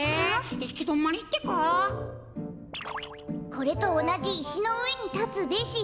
「これとおなじいしのうえにたつべし」。